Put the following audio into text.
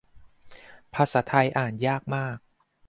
ภาษาไทยอ่านยากมาก